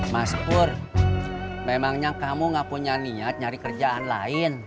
mas kur memangnya kamu gak punya niat nyari kerjaan lain